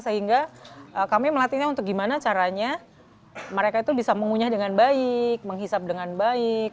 sehingga kami melatihnya untuk gimana caranya mereka itu bisa mengunyah dengan baik menghisap dengan baik